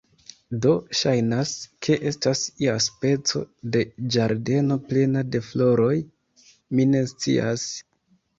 Do, ŝajnas, ke estas ia speco de ĝardeno plena de floroj... mi ne scias...